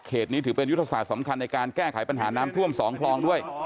นี้ถือเป็นยุทธศาสตร์สำคัญในการแก้ไขปัญหาน้ำท่วม๒คลองด้วย